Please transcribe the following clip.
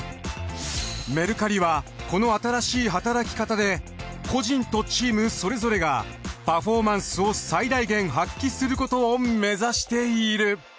メルカリはこの新しいはたらき方で個人とチームそれぞれがパフォーマンスを最大限発揮することを目指している。